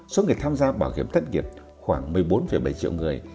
số người tham gia bảo hiểm thất nghiệp khoảng một mươi bốn bảy triệu người